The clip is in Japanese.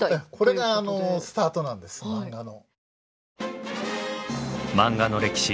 これがスタートなんですマンガの。